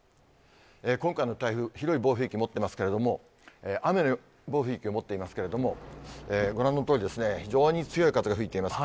今回の台風、広い暴風域、持ってますけれども、雨の暴風域を持ってますけれども、ご覧のとおり、非常に強い風が吹いています。